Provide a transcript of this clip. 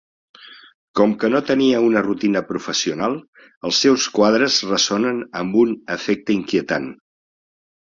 Com que no tenia una rutina professional, els seus quadres ressonen amb un efecte inquietant.